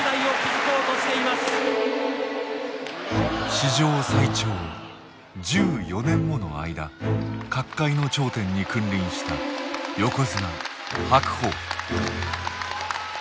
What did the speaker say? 史上最長１４年もの間角界の頂点に君臨した横綱白鵬。